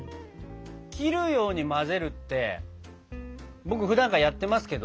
「切るように混ぜる」って僕ふだんからやってますけど。